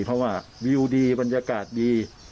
เพราะว่าวิวดีบรรยากาศดี